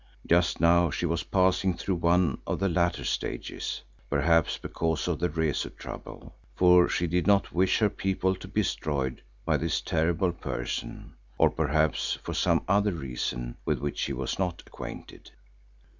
Just now she was passing through one of the latter stages, perhaps because of the Rezu trouble, for she did not wish her people to be destroyed by this terrible person; or perhaps for some other reason with which he was not acquainted.